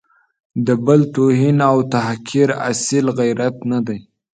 د بل توهین او تحقیر اصیل غیرت نه دی.